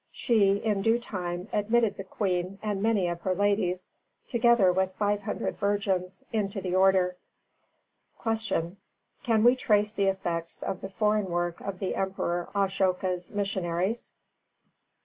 She, in due time, admitted the Queen and many of her ladies, together with five hundred virgins, into the Order. 302. Q. _Can we trace the effects of the foreign work of the Emperor Ashoka's missionaries?